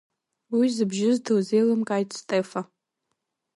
Уи зыбжьыз дылзеилымкааит Стефа.